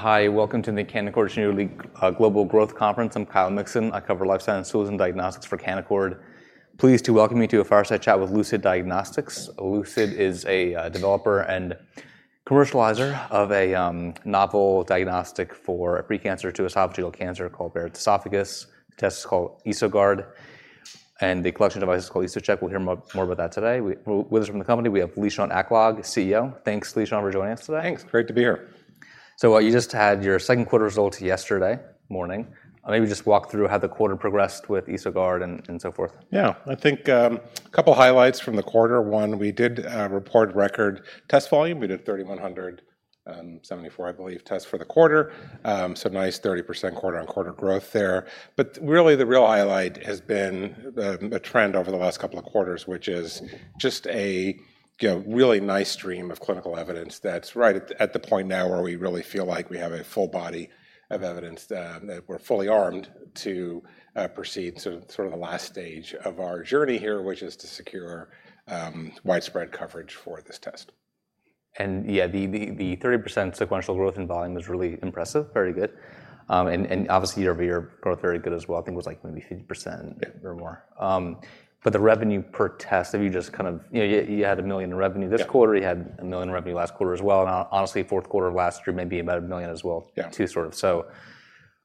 Hi, welcome to the Canaccord Genuity Global Growth Conference. I'm Kyle Mixon. I cover lifestyle and tools and diagnostics for Canaccord. Pleased to welcome you to a Fireside Chat with Lucid Diagnostics. Lucid is a developer and commercializer of a novel diagnostic for pre-cancer to esophageal cancer called Barrett's Esophagus. The test is called EsoGuard, and the collection device is called EsoCheck. We'll hear more about that today. With us from the company, we have Lishan Aklog, CEO. Thanks, Lishan, for joining us today. Thanks. Great to be here. So, you just had your Q2 results yesterday morning. Maybe just walk through how the quarter progressed with EsoGuard and so forth. Yeah. I think a couple highlights from the quarter. One, we did report record test volume. We did 3,174, I believe, tests for the quarter. So nice 30% quarter-on-quarter growth there. But really, the real highlight has been the trend over the last couple of quarters, which is just a you know, really nice stream of clinical evidence that's right at the point now where we really feel like we have a full body of evidence that we're fully armed to proceed to sort of the last stage of our journey here, which is to secure widespread coverage for this test. And yeah, the 30% sequential growth in volume is really impressive, very good. And obviously, year-over-year growth, very good as well. I think it was like maybe 50%- Yeah Or more. But the revenue per test, if you just kind of... You know, you had $1 million in revenue this quarter. Yeah. You had $1 million in revenue last quarter as well, and honestly, Q4 of last year, maybe about $1 million as well- Yeah Too, sort of. So,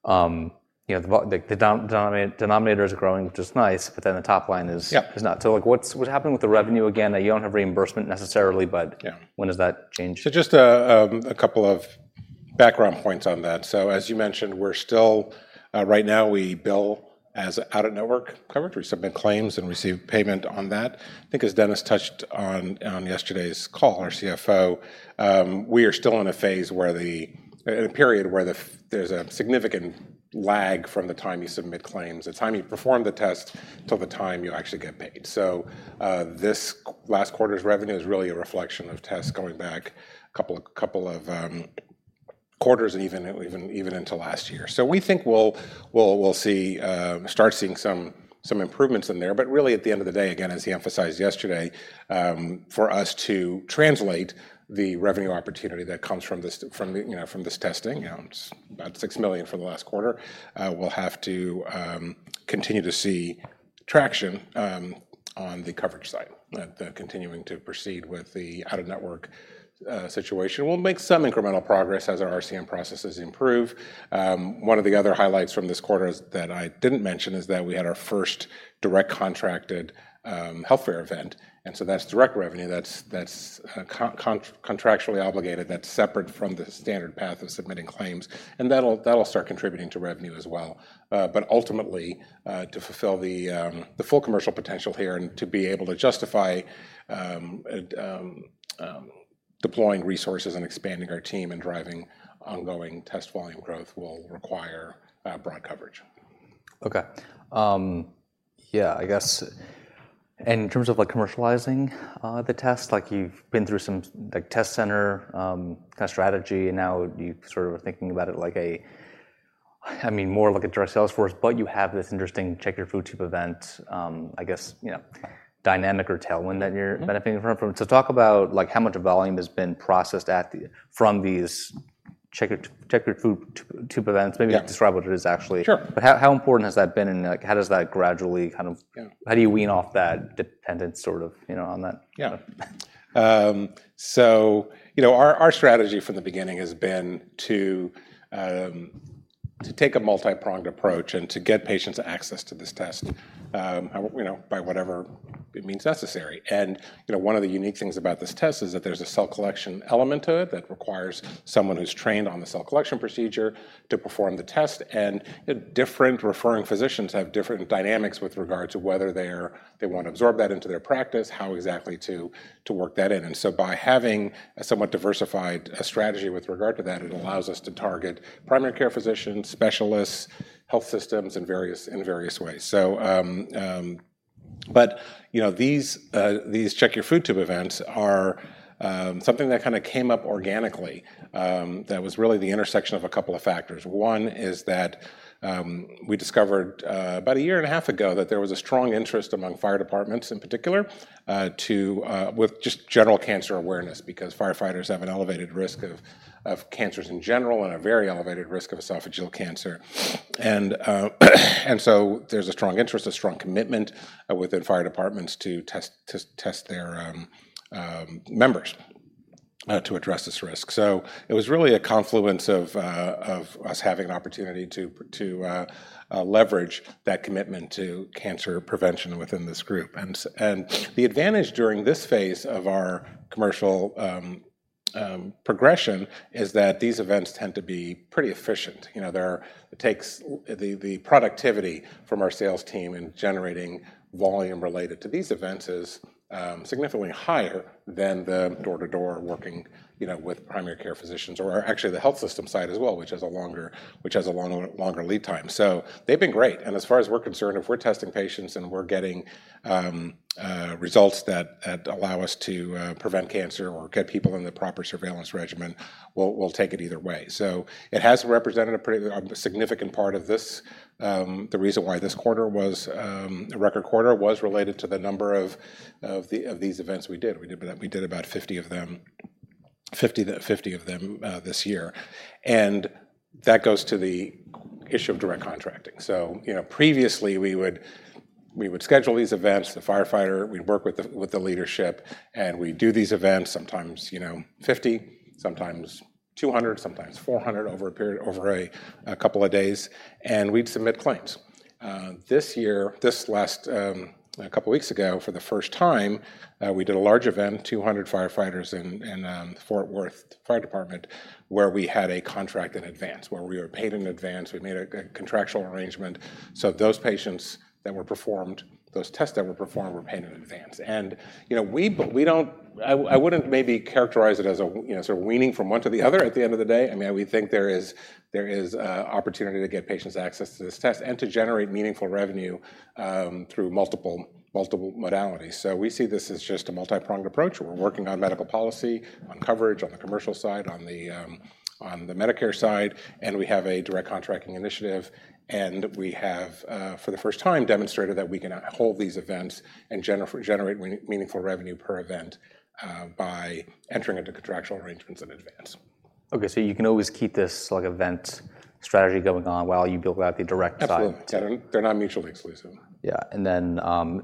you know, the denominator is growing, which is nice, but then the top line is- Yeah is not. So look, what happened with the revenue again? You don't have reimbursement necessarily, but- Yeah When does that change? So just a couple of background points on that. So as you mentioned, we're still. Right now, we bill as out-of-network coverage. We submit claims and receive payment on that. I think as Dennis touched on, on yesterday's call, our CFO, we are still in a phase where there's a significant lag from the time you submit claims, the time you perform the test, till the time you actually get paid. So this last quarter's revenue is really a reflection of tests going back a couple of quarters and even into last year. So we think we'll start seeing some improvements in there. But really, at the end of the day, again, as he emphasized yesterday, for us to translate the revenue opportunity that comes from this, from the, you know, from this testing, you know, it's about $6 million for the last quarter, we'll have to continue to see traction on the coverage side, continuing to proceed with the out-of-network situation. We'll make some incremental progress as our RCM processes improve. One of the other highlights from this quarter is, that I didn't mention, is that we had our first direct contracted healthcare event, and so that's direct revenue, that's, that's contractually obligated, that's separate from the standard path of submitting claims, and that'll start contributing to revenue as well. But ultimately, to fulfill the full commercial potential here and to be able to justify deploying resources and expanding our team and driving ongoing test volume growth will require broad coverage. Okay. Yeah, I guess and in terms of, like, commercializing, the test, like you've been through some, like, test center, test strategy, and now you sort of are thinking about it like I mean, more like a direct sales force, but you have this interesting, Check Your Food Tube event, I guess, you know, dynamic or tailwind that you're- Mm-hmm - benefiting from. So talk about, like, how much volume has been processed from these Check Your Food Tube events. Yeah. Maybe describe what it is actually. Sure. But how important has that been, and, like, how does that gradually kind of- Yeah - How do you wean off that dependence, sort of, you know, on that? Yeah. So, you know, our strategy from the beginning has been to take a multipronged approach and to get patients access to this test, you know, by whatever it means necessary. And, you know, one of the unique things about this test is that there's a cell collection element to it that requires someone who's trained on the cell collection procedure to perform the test. And, different referring physicians have different dynamics with regard to whether they're they want to absorb that into their practice, how exactly to work that in. And so by having a somewhat diversified strategy with regard to that, it allows us to target primary care physicians, specialists, health systems, in various, in various ways. So... But, you know, these #CheckYourFoodTube events are something that kinda came up organically, that was really the intersection of a couple of factors. One is that we discovered about a year and a half ago that there was a strong interest among fire departments in particular with just general cancer awareness, because firefighters have an elevated risk of cancers in general and a very elevated risk of esophageal cancer. And so there's a strong interest, a strong commitment within fire departments to test, to test their members to address this risk. So it was really a confluence of us having an opportunity to leverage that commitment to cancer prevention within this group. And the advantage during this phase of our commercial progression is that these events tend to be pretty efficient. You know, the productivity from our sales team in generating volume related to these events is significantly higher than the door-to-door working, you know, with primary care physicians, or actually, the health system side as well, which has a longer lead time. So they've been great, and as far as we're concerned, if we're testing patients and we're getting results that allow us to prevent cancer or get people in the proper surveillance regimen, we'll, we'll take it either way. So it has represented a pretty significant part of this... The reason why this quarter was a record quarter was related to the number of these events we did. We did about 50 of them, 50 of them this year. And that goes to the issue of direct contracting. So, you know, previously we would schedule these events, the firefighter, we'd work with the leadership, and we'd do these events sometimes, you know, 50, sometimes 200, sometimes 400 over a period, a couple of days, and we'd submit claims. This year, this last a couple weeks ago, for the first time, we did a large event, 200 firefighters in Fort Worth Fire Department, where we had a contract in advance, where we were paid in advance. We made a contractual arrangement, so those patients that were performed, those tests that were performed, were paid in advance. And, you know, but we don't, I wouldn't maybe characterize it as a, you know, sort of weaning from one to the other at the end of the day. I mean, we think there is opportunity to get patients access to this test and to generate meaningful revenue through multiple modalities. So we see this as just a multi-pronged approach, where we're working on medical policy, on coverage, on the commercial side, on the Medicare side, and we have a direct contracting initiative. And we have, for the first time, demonstrated that we can hold these events and generate meaningful revenue per event by entering into contractual arrangements in advance. Okay, so you can always keep this, like, event strategy going on while you build out the direct side? Absolutely. They're, they're not mutually exclusive. Yeah. And then,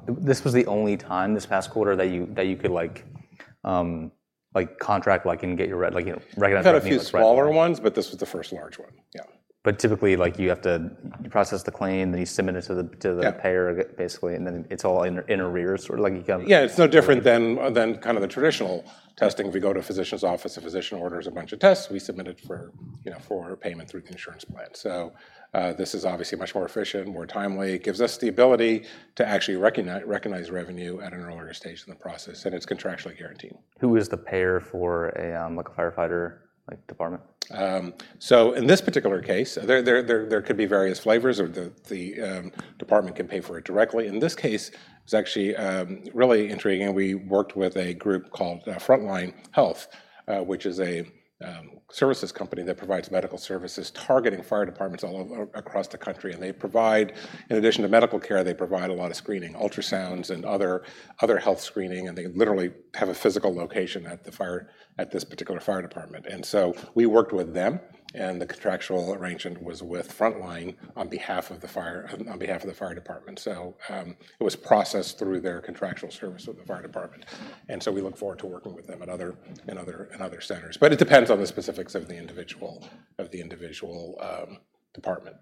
this was the only time, this past quarter, that you could, like, like, contract, like, and get your re- like, you know, recognize- We've had a few smaller ones, but this was the first large one. Yeah. Typically, like, you have to process the claim, then you submit it to the Yeah... payer, basically, and then it's all in arrears, or like, you kind of- Yeah, it's no different than kind of the traditional testing. If you go to a physician's office, a physician orders a bunch of tests, we submit it for, you know, for payment through the insurance plan. So, this is obviously much more efficient, more timely. It gives us the ability to actually recognize revenue at an earlier stage in the process, and it's contractually guaranteed. Who is the payer for a, like, a firefighter, like, department? So in this particular case, there could be various flavors or the department can pay for it directly. In this case, it's actually really intriguing. We worked with a group called Front Line Health, which is a services company that provides medical services, targeting fire departments all over, across the country, and they provide, in addition to medical care, they provide a lot of screening, ultrasounds, and other health screening. They literally have a physical location at the fire, at this particular fire department. So we worked with them, and the contractual arrangement was with Front Line on behalf of the fire, on behalf of the fire department. So it was processed through their contractual service with the fire department, and so we look forward to working with them in other centers. But it depends on the specifics of the individual department.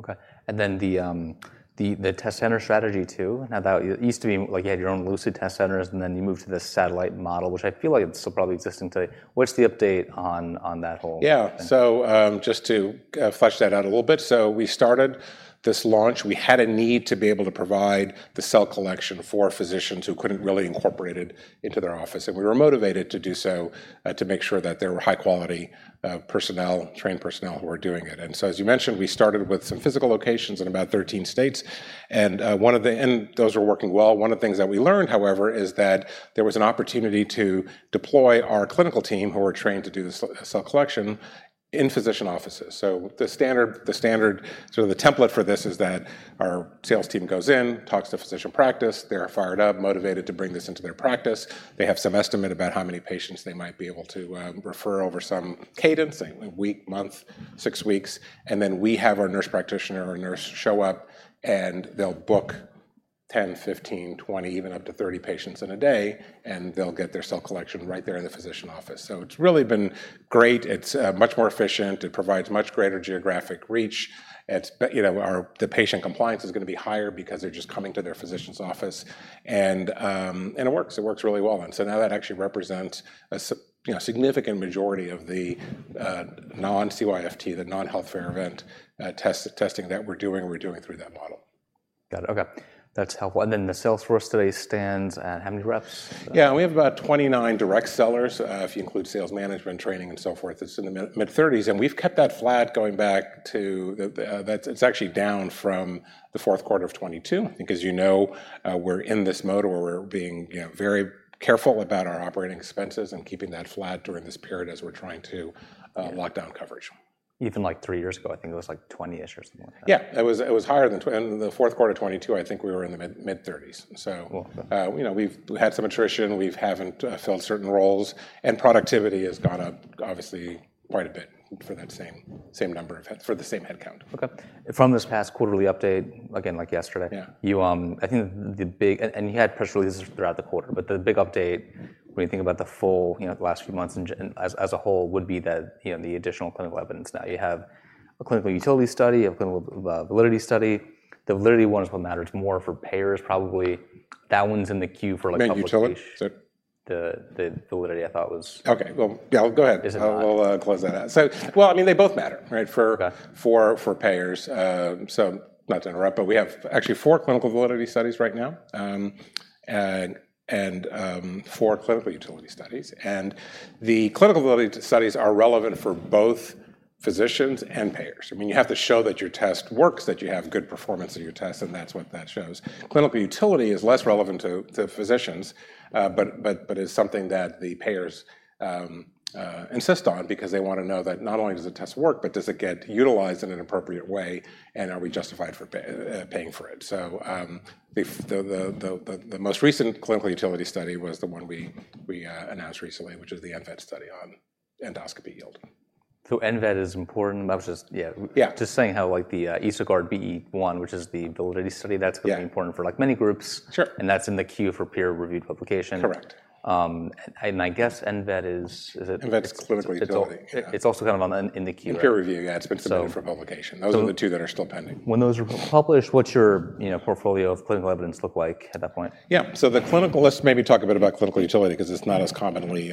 Okay. And then the test center strategy, too, how that... It used to be, like, you had your own Lucid test centers, and then you moved to the satellite model, which I feel like it's still probably existing today. What's the update on that whole- Yeah. So, just to flesh that out a little bit. So we started this launch. We had a need to be able to provide the cell collection for physicians who couldn't really incorporate it into their office, and we were motivated to do so, to make sure that there were high quality, personnel, trained personnel who were doing it. And so, as you mentioned, we started with some physical locations in about 13 states, and, one of the... And those were working well. One of the things that we learned, however, is that there was an opportunity to deploy our clinical team, who were trained to do the cell collection, in physician offices. So the standard, the standard, so the template for this is that our sales team goes in, talks to physician practice. They are fired up, motivated to bring this into their practice. They have some estimate about how many patients they might be able to refer over some cadence, a week, month, 6 weeks. And then we have our nurse practitioner or nurse show up, and they'll book 10, 15, 20, even up to 30 patients in a day, and they'll get their cell collection right there in the physician office. So it's really been great. It's much more efficient. It provides much greater geographic reach. It's, you know, our... The patient compliance is going to be higher because they're just coming to their physician's office. And and it works, it works really well. And so now that actually represents a, you know, significant majority of the non-CYFT, the non-healthcare event testing that we're doing, we're doing through that model. Got it. Okay, that's helpful. And then the sales force today stands at how many reps? Yeah, we have about 29 direct sellers. If you include sales management, training, and so forth, it's in the mid-30s, and we've kept that flat. It's actually down from the Q4 of 2022. Because you know, we're in this mode where we're being, you know, very careful about our operating expenses and keeping that flat during this period as we're trying to lock down coverage. Even, like, three years ago, I think it was, like, 20-ish or something. Yeah, it was higher than in the Q4 of 2022. I think we were in the mid-30s. Cool. So, you know, we've had some attrition. We haven't filled certain roles, and productivity has gone up, obviously, quite a bit for the same headcount. Okay. From this past quarterly update, again, like yesterday- Yeah You, I think the big... And, you had press releases throughout the quarter, but the big update, when you think about the full, you know, the last few months in general, as a whole, would be that, you know, the additional clinical evidence. Now, you have a clinical utility study, a clinical validity study. The validity one is what matters more for payers, probably. That one's in the queue for, like, publication. The utility? Sorry. The validity, I thought was- Okay. Well, yeah, go ahead. Is it not? We'll close that out. So, well, I mean, they both matter, right? Okay. For payers. So not to interrupt, but we have actually four clinical validity studies right now, and four clinical utility studies. The clinical validity studies are relevant for both physicians and payers. I mean, you have to show that your test works, that you have good performance in your test, and that's what that shows. Clinical utility is less relevant to physicians, but is something that the payers insist on because they want to know that not only does the test work, but does it get utilized in an appropriate way, and are we justified for paying for it? So, the most recent clinical utility study was the one we announced recently, which is the NVET study on endoscopy yield. So NVET is important. I was just, yeah- Yeah. Just saying how, like, the, EsoGuard BE1, which is the validity study, that's- Yeah -going to be important for, like, many groups. Sure. That's in the queue for peer-reviewed publication. Correct. I guess NVET is it? NVET's clinical utility. It's also kind of on the, in the queue. In peer review, yeah. So- It's been submitted for publication. So- Those are the two that are still pending. When those are published, what's your, you know, portfolio of clinical evidence look like at that point? Yeah. So the clinical... Let's maybe talk a bit about clinical utility, 'cause it's not as commonly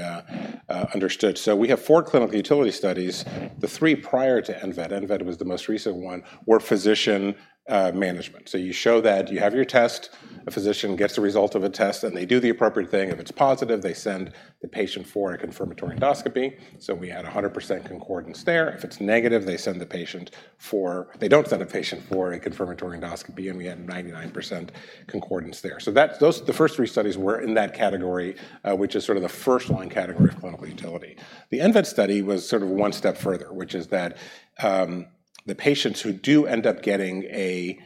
understood. So we have four clinical utility studies. The three prior to NVET, NVET was the most recent one, were physician management. So you show that you have your test, a physician gets the result of a test, and they do the appropriate thing. If it's positive, they send the patient for a confirmatory endoscopy, so we had 100% concordance there. If it's negative, they send the patient for... They don't send a patient for a confirmatory endoscopy, and we had 99% concordance there. So that's-- those-- the first three studies were in that category, which is sort of the first-line category of clinical utility. The NVET study was sort of one step further, which is that, the patients who do end up getting a,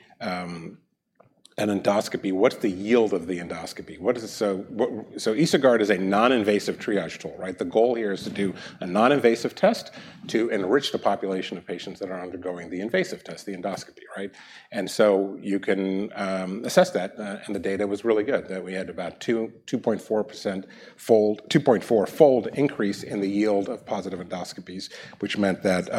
an endoscopy, what's the yield of the endoscopy? What is it? So what... So EsoGuard is a non-invasive triage tool, right? The goal here is to do a non-invasive test to enrich the population of patients that are undergoing the invasive test, the endoscopy, right? And so you can, assess that, and the data was really good, that we had about 2.4-fold increase in the yield of positive endoscopies, which meant that,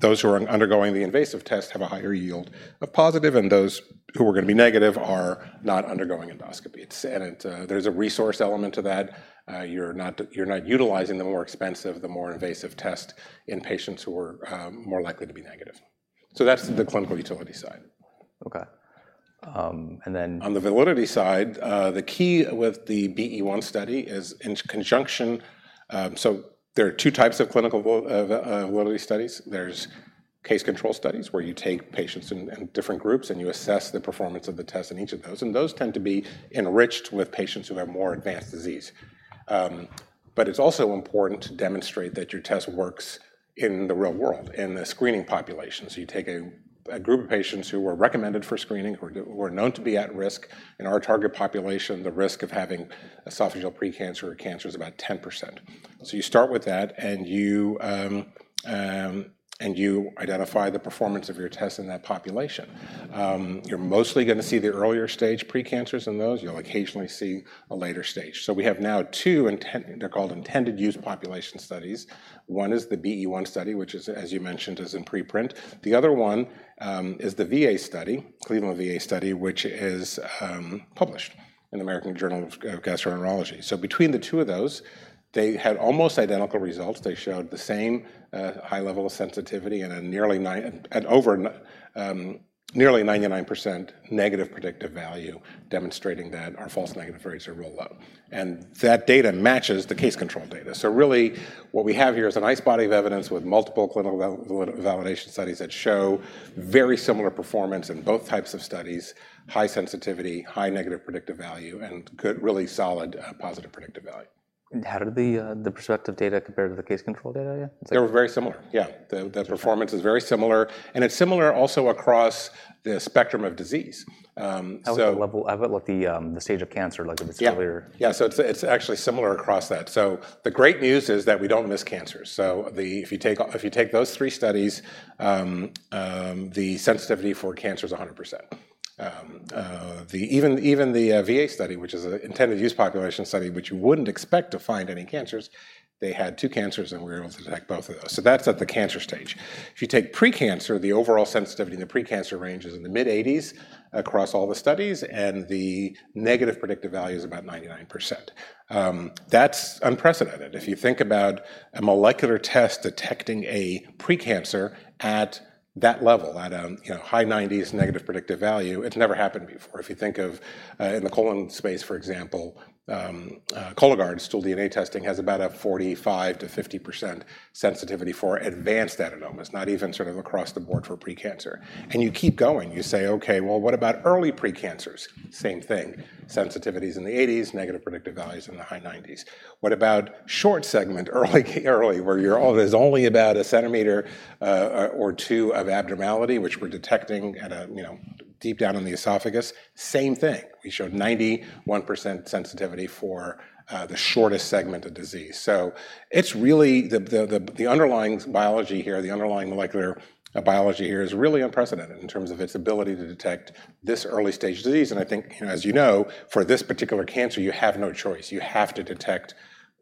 those who are undergoing the invasive test have a higher yield of positive, and those who are gonna be negative are not undergoing endoscopy. It's... And it, there's a resource element to that. You're not utilizing the more expensive, the more invasive test in patients who are, more likely to be negative. So that's the clinical utility side. Okay. And then- On the validity side, the key with the BE1 study is in conjunction. So there are two types of clinical validity studies. There's case-control studies, where you take patients in different groups, and you assess the performance of the test in each of those, and those tend to be enriched with patients who have more advanced disease. But it's also important to demonstrate that your test works in the real world, in the screening population. So you take a group of patients who were recommended for screening, who are known to be at risk. In our target population, the risk of having esophageal pre-cancer or cancer is about 10%. So you start with that, and you identify the performance of your test in that population. You're mostly gonna see the earlier stage pre-cancers in those. You'll occasionally see a later stage. So we have now two intended use population studies. One is the BE1 study, which, as you mentioned, is in preprint. The other one is the VA study, Cleveland VA study, which is published in the American Journal of Gastroenterology. So between the two of those, they had almost identical results. They showed the same high level of sensitivity and nearly 99% negative predictive value, demonstrating that our false negative rates are real low, and that data matches the case-control data. So really, what we have here is a nice body of evidence with multiple clinical validation studies that show very similar performance in both types of studies, high sensitivity, high negative predictive value, and good, really solid, positive predictive value. How did the prospective data compare to the case-control data again? They were very similar. Yeah, the performance is very similar, and it's similar also across the spectrum of disease. So- How was the level... How about, like, the, the stage of cancer, like, if it's earlier? Yeah. Yeah, so it's actually similar across that. So the great news is that we don't miss cancers. So if you take those three studies, the sensitivity for cancer is 100%. Even the VA study, which is an intended use population study, which you wouldn't expect to find any cancers, they had two cancers, and we were able to detect both of those. So that's at the cancer stage. If you take pre-cancer, the overall sensitivity in the pre-cancer range is in the mid-80s across all the studies, and the negative predictive value is about 99%. That's unprecedented. If you think about a molecular test detecting a pre-cancer at that level, you know, high 90s negative predictive value, it's never happened before. If you think of, in the colon space, for example, Cologuard stool DNA testing has about a 45%-50% sensitivity for advanced adenomas, not even sort of across the board for pre-cancer. And you keep going. You say, "Okay, well, what about early pre-cancers?" Same thing, sensitivity's in the eighties, negative predictive value's in the high nineties. What about short segment, early, where there's only about a centimeter or 2 of abnormality, which we're detecting, you know, deep down in the esophagus? Same thing, we showed 91% sensitivity for the shortest segment of disease. So it's really... The underlying biology here, the underlying molecular biology here, is really unprecedented in terms of its ability to detect this early stage of disease, and I think, as you know, for this particular cancer, you have no choice. You have to detect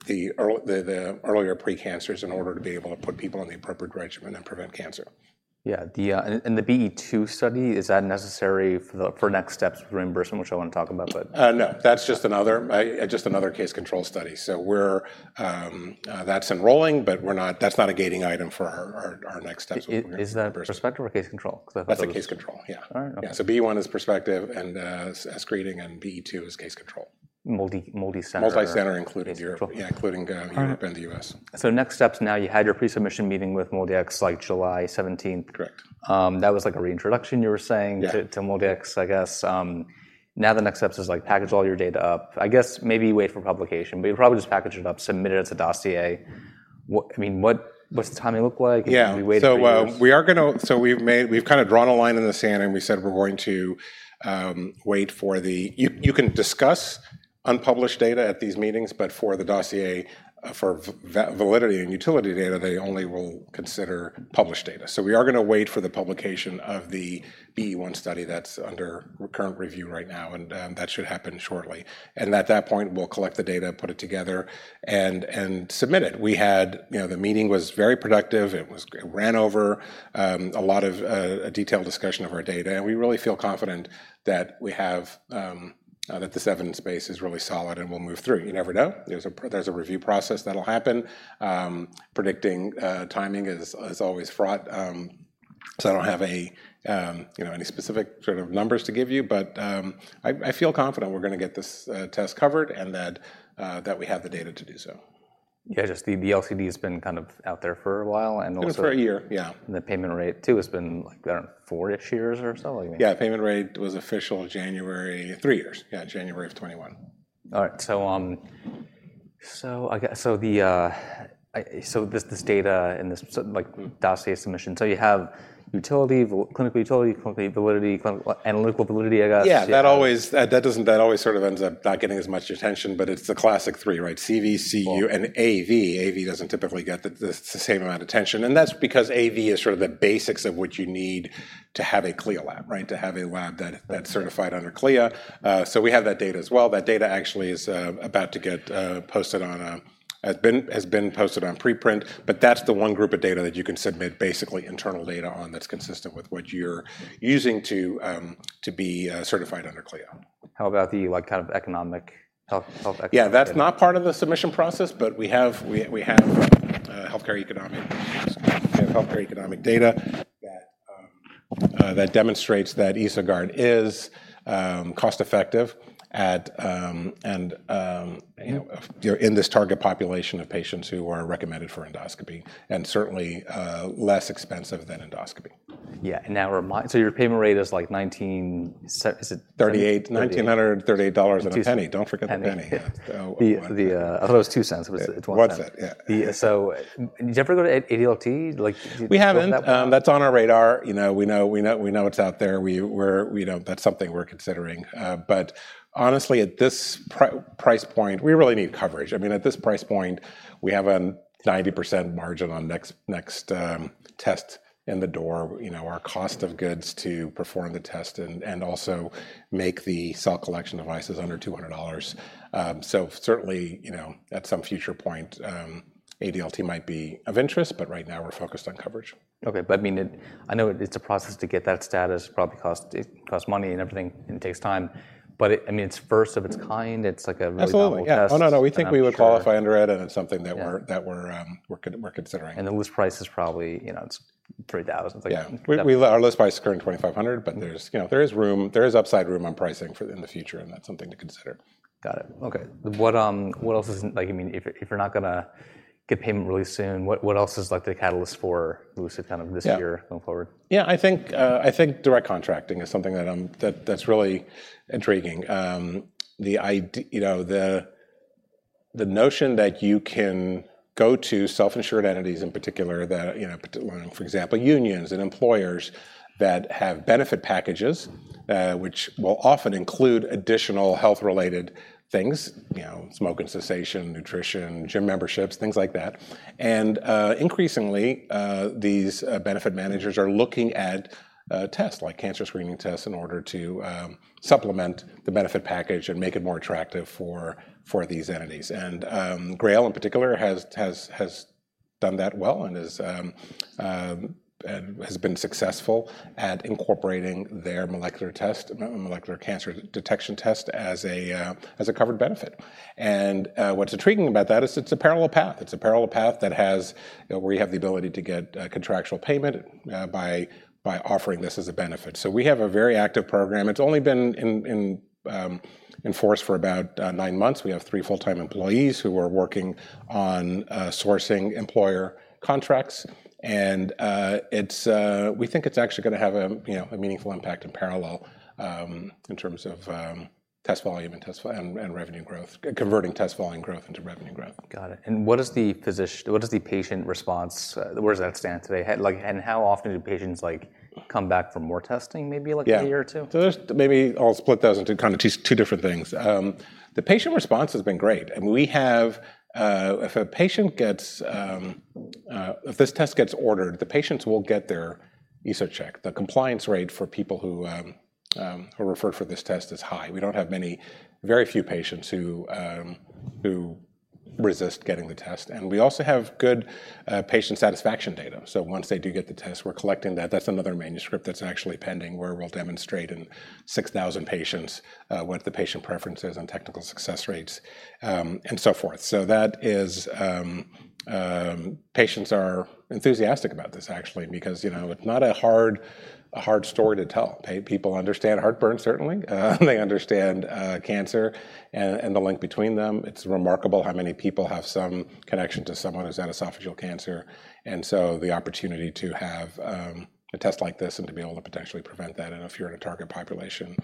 the earlier pre-cancers in order to be able to put people on the appropriate regimen and prevent cancer. Yeah, the BE2 study, is that necessary for next steps reimbursement, which I want to talk about, but- No, that's just another case-control study. So that's enrolling, but we're not, that's not a gating item for our next steps with reimbursement. Is that prospective or case-control? Because I thought- That's a case-control, yeah. All right. Yeah, so BE1 is prospective and screening, and BE2 is case control. Multi, multicenter- Multicenter, including Europe- Okay... Yeah, including Europe and the US. Next steps now, you had your pre-submission meeting with MolDX, like July seventeenth. Correct. That was like a reintroduction, you were saying- Yeah To MolDX, I guess. Now the next steps is, like, package all your data up. I guess maybe wait for publication, but you'll probably just package it up, submit it as a dossier. What... I mean, what, what's the timing look like? Yeah. Will you wait a few years? So we've kind of drawn a line in the sand, and we said we're going to wait for the unpublished data at these meetings, but for the dossier, for validity and utility data, they only will consider published data. So we are going to wait for the publication of the BE1 study that's under current review right now, and that should happen shortly. And at that point, we'll collect the data, put it together, and submit it. You know, the meeting was very productive. It was, it ran over a lot of detailed discussion of our data, and we really feel confident that we have that the evidence space is really solid and will move through. You never know. There's a review process that'll happen. Predicting timing is always fraught. So I don't have, you know, any specific sort of numbers to give you, but I feel confident we're going to get this test covered, and that we have the data to do so. Yeah, just the DLCD has been kind of out there for a while, and also- It's been for a year. Yeah. The payment rate, too, has been, like, I don't know, four-ish years or so? I mean- Yeah, payment rate was official January... three years. Yeah, January of 2021. All right. So, I guess, the data and this, like dossier submission. So you have utility, Clinical Utility, Clinical Validity, clinical, Analytical Validity, I guess. Yeah, that always sort of ends up not getting as much attention, but it's the classic three, right? CV, CU, and AV. AV doesn't typically get the same amount of attention, and that's because AV is sort of the basics of what you need to have a CLIA lab, right? To have a lab that- Mm That's certified under CLIA. So we have that data as well. That data actually has been posted on preprint, but that's the one group of data that you can submit, basically internal data on, that's consistent with what you're using to be certified under CLIA. How about the, like, kind of economic, health, health economic? Yeah, that's not part of the submission process, but we have healthcare economic data that demonstrates that EsoGuard is cost effective, and you know, in this target population of patients who are recommended for endoscopy and certainly less expensive than endoscopy. Yeah. So your payment rate is, like, $19, is it? $1,938.01 Penny. Don't forget the penny. Yeah. Yeah. Oh, well- I thought it was $0.02, but it's $0.01. $0.01, yeah. Yeah, so did you ever go to ADLT? Like, did you- We haven't. That one. That's on our radar. You know, we know it's out there. We know that's something we're considering. But honestly, at this price point, we really need coverage. I mean, at this price point, we have a 90% margin on next test in the door. You know, our cost of goods to perform the test and also make the cell collection devices under $200. So certainly, you know, at some future point, ADLT might be of interest, but right now we're focused on coverage. Okay, but I mean, I know it's a process to get that status, probably costs money and everything, and it takes time, but I mean, it's first of its kind. Mm-hmm. It's like a really novel test. Absolutely. Yes. Um, sure. Oh, no, no, we think we would qualify under it, and it's something that we're- Yeah That we're considering. The list price is probably, you know, it's $3,000 something. Yeah. Our list price is currently $2,500, but there's, you know, there is room, there is upside room on pricing for in the future, and that's something to consider. Got it. Okay. What, what else is, like, I mean, if you're not going to get payment really soon, what, what else is, like, the catalyst for Lucid kind of this year- Yeah Going forward? Yeah, I think, I think direct contracting is something that, that's really intriguing. You know, the notion that you can go to self-insured entities in particular, that, you know, for example, unions and employers that have benefit packages, which will often include additional health-related things, you know, smoking cessation, nutrition, gym memberships, things like that. And, increasingly, these benefit managers are looking at, tests like cancer screening tests in order to, supplement the benefit package and make it more attractive for, for these entities. And, GRAIL, in particular, has done that well and is, and has been successful at incorporating their molecular test, molecular cancer detection test as a, as a covered benefit. And, what's intriguing about that is it's a parallel path. It's a parallel path that has, where you have the ability to get, contractual payment, by offering this as a benefit. So we have a very active program. It's only been in force for about nine months. We have three full-time employees who are working on sourcing employer contracts, and it's, we think it's actually going to have a, you know, a meaningful impact in parallel, in terms of test volume and revenue growth, converting test volume growth into revenue growth. Got it. And what is the position... What is the patient response? Where does that stand today? Like, and how often do patients, like, come back for more testing, maybe like a year or two? Yeah. So there's maybe I'll split those into kind of two different things. The patient response has been great, and we have, if this test gets ordered, the patients will get their EsoCheck. The compliance rate for people who are referred for this test is high. We don't have many, very few patients who resist getting the test, and we also have good patient satisfaction data. So once they do get the test, we're collecting that. That's another manuscript that's actually pending, where we'll demonstrate in 6,000 patients what the patient preference is and technical success rates, and so forth. So that is, patients are enthusiastic about this actually, because, you know, it's not a hard story to tell. Hey, people understand heartburn, certainly. They understand cancer and the link between them. It's remarkable how many people have some connection to someone who's had esophageal cancer, and so the opportunity to have a test like this and to be able to potentially prevent that, and if you're in a target population,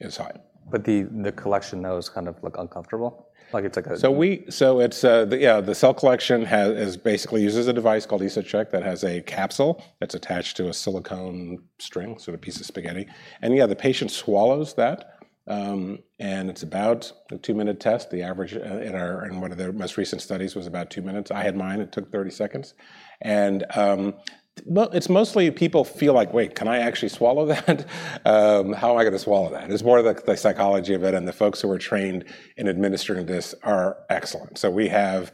is high. But the collection though is kind of looks uncomfortable? Like, it's like a- So it's, yeah, the cell collection has, is basically uses a device called EsoCheck, that has a capsule that's attached to a silicone string, sort of piece of spaghetti. And yeah, the patient swallows that, and it's about a two-minute test. The average in our, in one of their most recent studies was about two minutes. I had mine, it took 30 seconds. And, well, it's mostly people feel like: "Wait, can I actually swallow that? Um, how am I going to swallow that?" It's more the psychology of it, and the folks who are trained in administering this are excellent. So we have,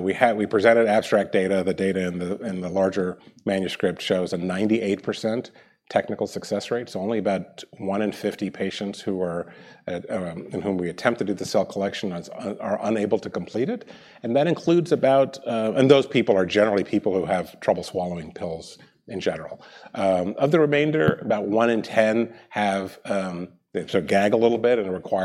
we have, we presented abstract data. The data in the larger manuscript shows a 98% technical success rate, so only about one in 50 patients in whom we attempt to do the cell collection are unable to complete it. And that includes about... And those people are generally people who have trouble swallowing pills in general. Of the remainder, about one in 10 have they sort of gag a little bit and require-